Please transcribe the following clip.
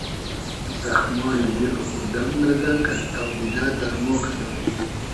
زئخمای دیل خو دئم لئزۂ قئد اۆدیدۂ دئرمۉ کئدوم